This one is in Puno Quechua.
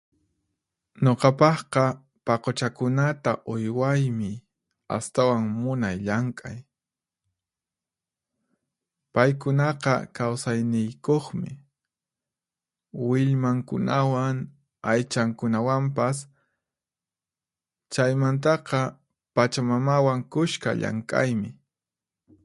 Nuqapaqqa, paquchakunata uywaymi astawan munay llank'ay. Paykunaqa kawsayniykuqmi, willmankunawan, aychankunawanpas. Chaymantaqa, pachamamawan kushka llank'aymi.